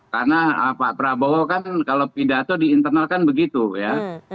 karena pak prabowo kan kalau pidato diinternalkan begitu ya